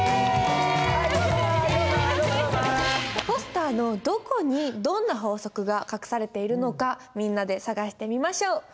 ポスターのどこにどんな法則が隠されているのかみんなで探してみましょう！